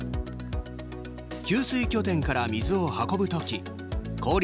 給水拠点から水を運ぶ時効率